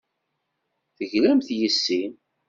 Teglamt yes-i.